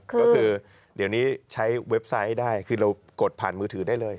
ก็คือเดี๋ยวนี้ใช้เว็บไซต์ได้คือเรากดผ่านมือถือได้เลย